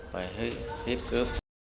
rồi hiếp cướp